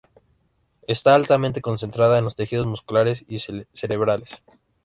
Está altamente concentrada en los tejidos musculares y cerebrales.